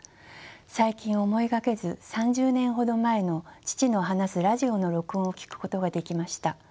最近思いがけず３０年ほど前の父の話すラジオの録音を聴くことができました。